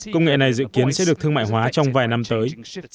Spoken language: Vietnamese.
công nghệ này dự kiến sẽ được thương mại hóa trong vài năm tới